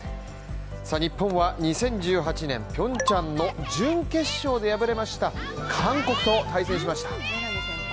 日本は２０１８年平昌の準決勝で敗れました韓国と対戦しました。